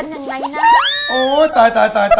อันนี้คืออันนี้คือ